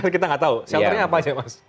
kita nggak tahu shelternya apa aja mas